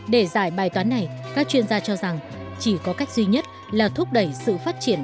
để giải bài toán này các chuyên gia cho rằng chỉ có cách duy nhất là thúc đẩy sự phát triển